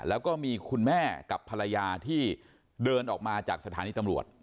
แล้วก็มีคุณแม่กับภรรยาที่เดินออกมาจากสถานีตำรวจ